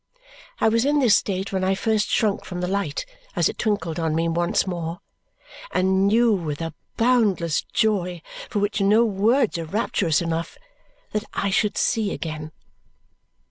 I was in this state when I first shrunk from the light as it twinkled on me once more, and knew with a boundless joy for which no words are rapturous enough that I should see again.